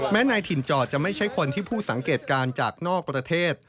นายถิ่นจอจะไม่ใช่คนที่ผู้สังเกตการณ์จากนอกประเทศ